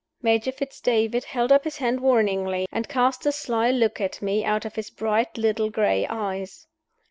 Major Fitz David held up his hand warningly, and cast a sly look at me out of his bright little gray eyes.